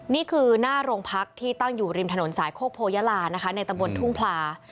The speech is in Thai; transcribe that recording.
นี่คือหน้าโรงพักที่ตั้งอยู่ริมถนนสายโคกโพยาลานะคะในตำบลทุ่งพลา